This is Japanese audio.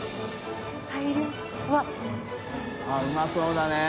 △うまそうだね。